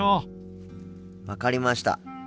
分かりました。